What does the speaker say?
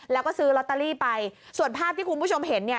แล้วก็ซื้อลอตเตอรี่ไปส่วนภาพที่คุณผู้ชมเห็นเนี่ย